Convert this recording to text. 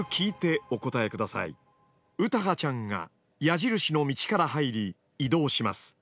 詩羽ちゃんが矢印の道から入り移動します。